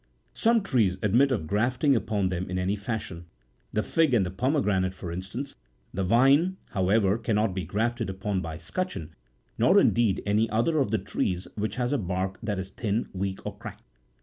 Some trees admit of grafting upon them in any fashion, the fig and the pomegranate for instance ; the vine, however, cannot be grafted upon by scutcheon, nor, indeed, any other of the trees which has a bark that is thin, weak, or cracked.